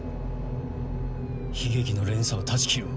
悲劇の連鎖を断ち切る。